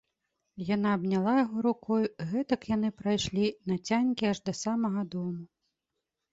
Яна абняла яго рукою, і гэтак яны прайшлі нацянькі аж да самага дому.